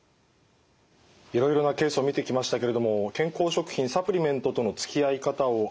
いろいろなケースを見てきましたけれども健康食品・サプリメントとのつきあい方を改めて考えさせられる気がします。